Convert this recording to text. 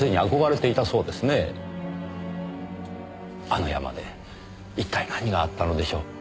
あの山で一体何があったのでしょう？